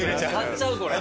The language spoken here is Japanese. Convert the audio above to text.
買っちゃうこれ。